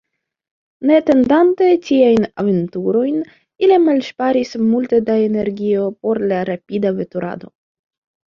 Ne atendante tiajn aventurojn, ili malŝparis multe da energio por la rapida veturado..